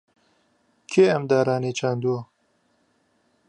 کێ ئەم دارانەی چاندووە؟